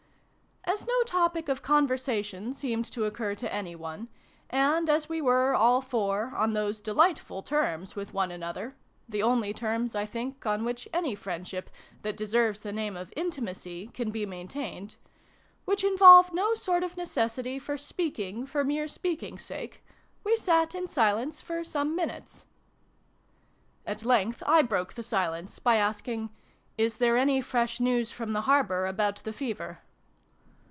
As no topic of conversation seemed to occur to any one, and as we were, all four, on those delightful terms with one another (the only terms, I think, on which any friendship, that deserves the name of intimacy, can be main tained) which involve no sort of necessity for speaking for mere speaking's sake, we sat in silence for some minutes. At length I broke the silence by asking " Is there any fresh news from the harbour about the Fever